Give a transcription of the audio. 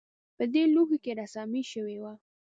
په دې لوښو کې رسامي شوې وه